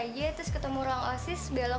iya dia tuh yang nyanyi sama dirli